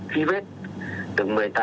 chỉ đạo thân tốc